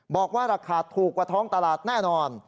บอกว่าราคาถูกกว่าท้องตลาดแน่นอน